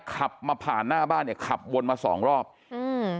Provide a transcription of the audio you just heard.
ขับมาผ่านหน้าบ้านเนี่ยขับวนมาสองรอบอืม